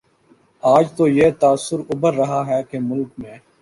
آج تو یہ تاثر ابھر رہا ہے کہ ملک میں